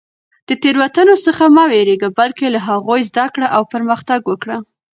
د تېروتنو څخه مه وېرېږه، بلکې له هغوی زده کړه او پرمختګ وکړه.